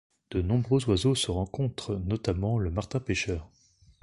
De nombreux oiseaux se rencontrent, notamment le Martin-pêcheur.